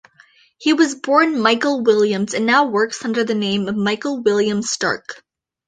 He was born Michael Williams and now works under the name of Michael Williams-Stark.